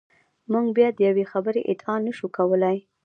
موږ بیا د یوې خبرې ادعا نشو کولای.